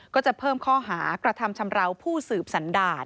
ก็จะเพิ่มข้อหากระทำชำราวผู้สืบสันดาร